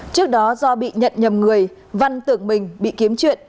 trước đó do bị nhận nhầm người văn tưởng mình bị kiếm chuyện